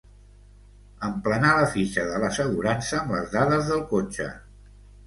Emplenar la fitxa de l'assegurança amb les dades del cotxe.